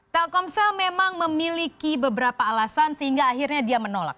telkomsel memang memiliki beberapa alasan sehingga akhirnya dia menolak